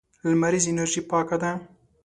لمريزه انرژي پاکه ده.